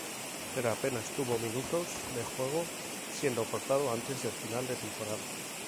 Pero apenas tuvo minutos de juego, siendo cortado antes del final de temporada.